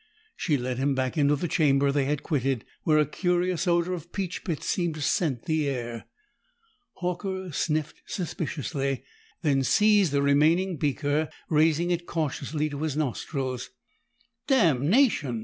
She led him back into the chamber they had quitted, where a curious odor of peach pits seemed to scent the air. Horker sniffed suspiciously, then seized the remaining beaker, raising it cautiously to his nostrils. "Damnation!"